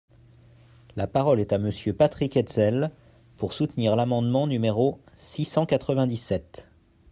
La parole est à Monsieur Patrick Hetzel, pour soutenir l’amendement numéro six cent quatre-vingt-dix-sept.